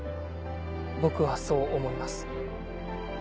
僕はそう思います。